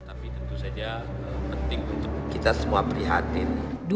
tapi tentu saja penting untuk kita semua prihatin